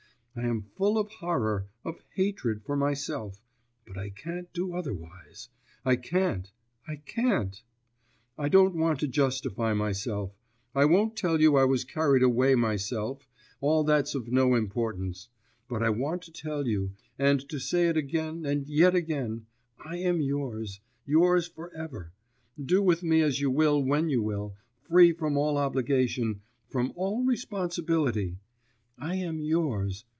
I am full of horror, of hatred for myself, but I can't do otherwise, I can't, I can't. I don't want to justify myself, I won't tell you I was carried away myself ... all that's of no importance; but I want to tell you, and to say it again and yet again, I am yours, yours for ever, do with me as you will when you will, free from all obligation, from all responsibility! I am yours....